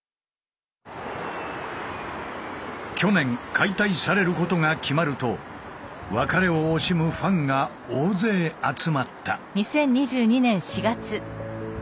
去年解体されることが決まると別れを惜しむファンが大勢集まった。